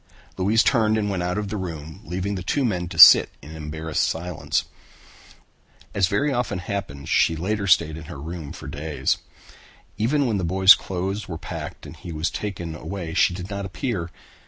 Louise turned and went out of the room, leaving the two men to sit in embarrassed silence. As very often happened she later stayed in her room for days. Even when the boy's clothes were packed and he was taken away she did not appear.